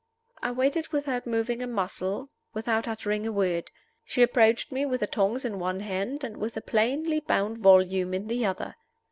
I waited without moving a muscle, without uttering a word. She approached me with the tongs in one hand and with a plainly bound volume in the other.